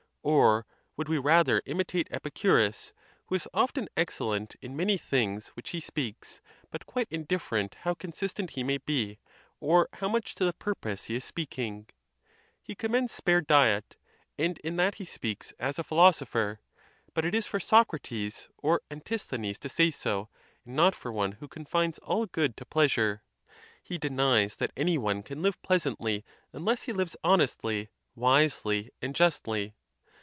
Or would we rather im itate Epicurus? who is often excellent in many things which he speaks, but quite indifferent how consistent he may be, or how much to the purpose he is speaking. He commends spare diet, and in that he speaks as a philoso pher; but it is for Socrates or Antisthenes to say so, and not for one who confines all good to pleasure. He denies that any one can live pleasantly unless he lives honestly, wisely, and justly.